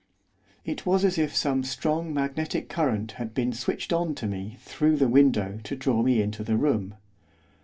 It was as if some strong magnetic current had been switched on to me through the window to draw me into the room.